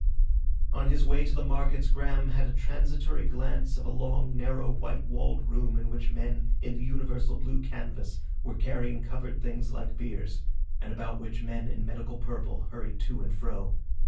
On his way to the markets Graham had a transitory glance of a long narrow white walled room in which men in the universal blue canvas were carrying covered things like biers, and about which men in medical purple hurried to and fro.